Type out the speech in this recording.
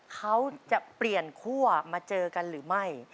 เขาจะเปลี่ยนคั่วมาเจอกันหรือไม่